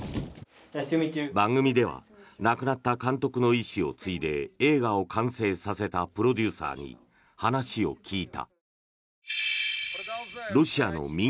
番組では亡くなった監督の遺志を継いで映画を完成させたプロデューサーに話を聞いた。